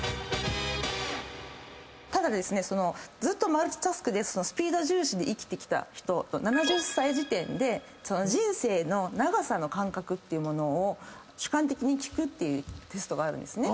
ただずっとマルチタスクでスピード重視で生きてきた人の７０歳時点で人生の長さの感覚っていうものを主観的に聞くっていうテストがあるんですね。